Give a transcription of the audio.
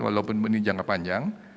walaupun ini jangka panjang